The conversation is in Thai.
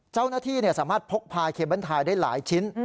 เจ้าหน้าที่สามารถพกพาเคเบิ้ลไทยได้หลายชิ้น